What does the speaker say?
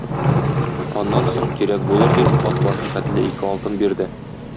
Аннан соң, кирәк булыр дип, ат башы хәтле ике алтын бирде.